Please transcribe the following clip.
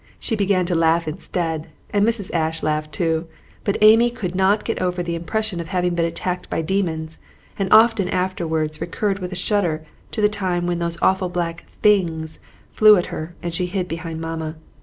She began to laugh instead, and Mrs. Ashe laughed too; but Amy could not get over the impression of having been attacked by demons, and often afterward recurred with a shudder to the time when those awful black things flew at her and she hid behind mamma.